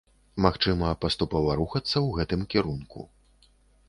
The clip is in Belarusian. Магчыма, паступова рухацца ў гэтым кірунку.